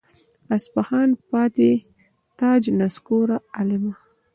اصفهان پاتې تاج نسکور عالمه.